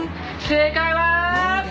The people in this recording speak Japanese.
「正解は」